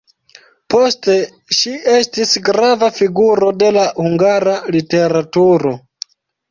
Poste ŝi estis grava figuro de la hungara literaturo.